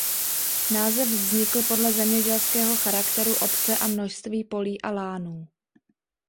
Název vznikl podle zemědělského charakteru obce a množství polí a lánů.